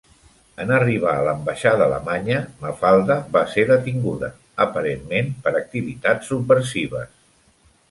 En arribar a l'ambaixada alemanya, Mafalda va ser detinguda, aparentment per activitats subversives.